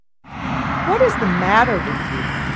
"What is the matter with you?"